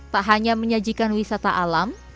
tak hanya menyajikan wisata alam